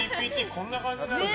こんな感じなんだ。